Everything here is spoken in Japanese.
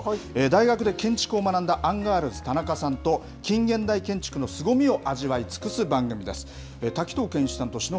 大学で建築を学んだ、アンガールズ・田中さんと近現代建築のすごみを味わい尽くす番組です。